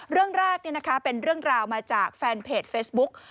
เรื่องแรกเป็นเรื่องราวมาจากแฟนเพจเฟซบุ๊ก